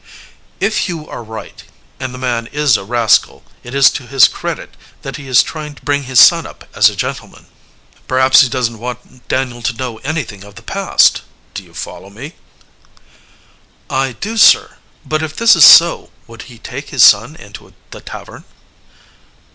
"If you are right, and the man is a rascal, it is to his credit that he is trying to bring his son up as a gentleman. Perhaps he doesn't want Daniel to know anything of the past. Do you follow me?" "I do, sir. But if this is so, would he take his son into the tavern?"